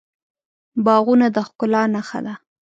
باغونه د ښکلا نښه ده.